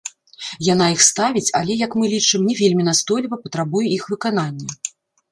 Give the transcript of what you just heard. Яна іх ставіць, але, як мы лічым, не вельмі настойліва патрабуе іх выканання.